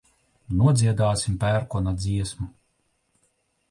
Nodziedāsim pērkona dziesmu.